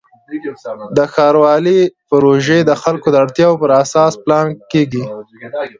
د ښاروالۍ پروژې د خلکو د اړتیاوو پر اساس پلان کېږي.